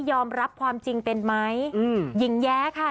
ยอมรับความจริงเป็นไหมอืมยิ่งแย้ค่ะ